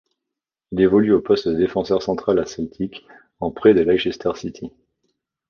Il évolue au poste de défenseur central à Celtic en prêt de Leicester City.